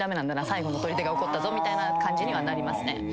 最後のとりでが怒ったぞみたいな感じにはなりますね。